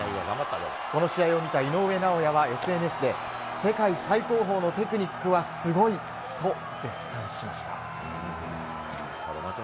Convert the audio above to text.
この試合を見た井上尚弥はＳＮＳで世界最高峰のテクニックはすごいと絶賛しました。